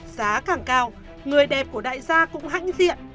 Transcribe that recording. giá càng cao người đẹp của đại gia cũng hãnh diện